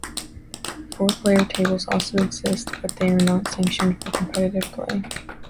Four-player tables also exist, but they are not sanctioned for competitive play.